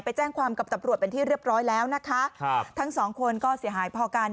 ไปแจ้งความกับตำรวจเป็นที่เรียบร้อยแล้วนะคะครับทั้งสองคนก็เสียหายพอกัน